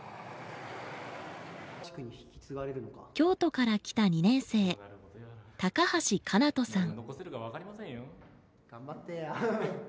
京都から来た２年生橋奏人さん。